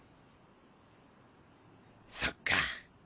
そっか。